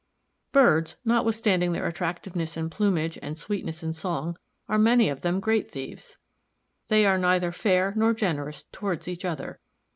Birds, notwithstanding their attractiveness in plumage and sweetness in song, are many of them great thieves. They are neither fair nor generous towards each other.